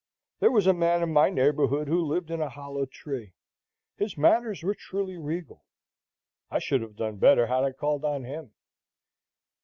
There was a man in my neighborhood who lived in a hollow tree. His manners were truly regal. I should have done better had I called on him.